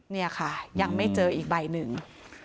นี่ค่ะยังไม่เจออีกใบหนึ่ง